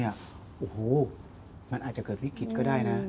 โอ้โหมันอาจจะเกิดวิกฤตก็ได้นะ